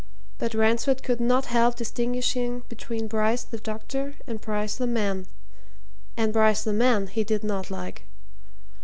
But Ransford could not help distinguishing between Bryce the doctor and Bryce the man and Bryce the man he did not like.